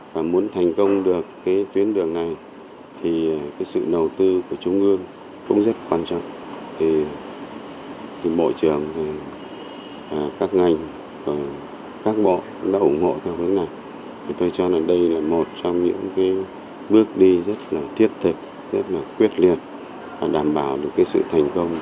phân đấu trước năm hai nghìn hai mươi tuyến đường này sẽ hoàn thành